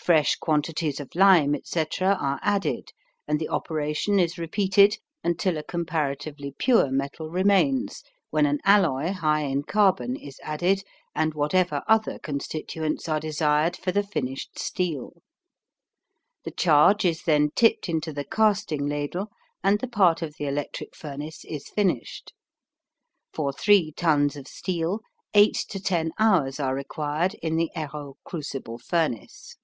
Fresh quantities of lime, etc., are added, and the operation is repeated until a comparatively pure metal remains, when an alloy high in carbon is added and whatever other constituents are desired for the finished steel. The charge is then tipped into the casting ladle and the part of the electric furnace is finished. For three tons of steel eight to ten hours are required in the Heroult crucible furnace.